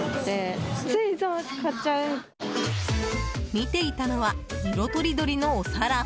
見ていたのは色とりどりのお皿。